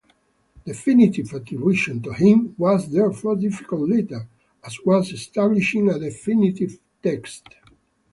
Definite attribution to him was therefore difficult later, as was establishing a definitive text.